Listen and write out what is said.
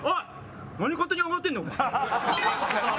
何勝手に上がってんねんお前。